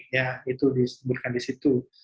ya itu disebutkan di situ